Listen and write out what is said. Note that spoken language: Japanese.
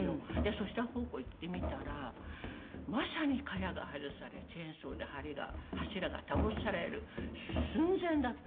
そちら方向行ってみたらまさにかやが外されチェーンソーで梁が柱が倒される寸前だった。